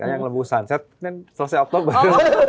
yang lembu sunset ini selesai oktober